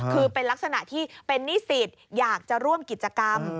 คือเป็นลักษณะที่เป็นนิสิตอยากจะร่วมกิจกรรม